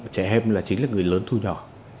trẻ em là chính là người lớn thu nhỏ